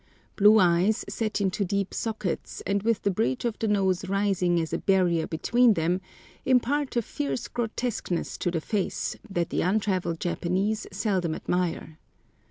Blue eyes, set into deep sockets, and with the bridge of the nose rising as a barrier between them, impart a fierce grotesqueness to the face, that the untraveled Japanese seldom admire.